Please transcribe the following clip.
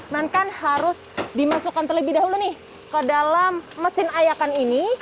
namun harus dimasukkan terlebih dahulu ke dalam mesin ayakan ini